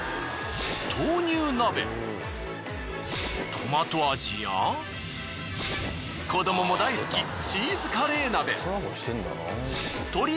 トマト味や子どもも大好きチーズカレー鍋。